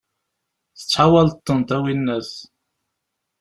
Tettḥawaleḍ-tent, a winnat!